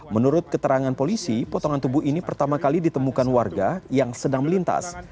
menurut keterangan polisi potongan tubuh ini pertama kali ditemukan warga yang sedang melintas